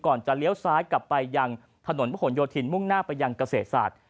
จะเลี้ยวซ้ายกลับไปยังถนนพระหลโยธินมุ่งหน้าไปยังเกษตรศาสตร์